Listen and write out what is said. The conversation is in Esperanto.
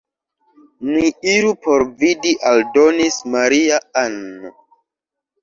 Ni iru por vidi», aldonis Maria-Ann.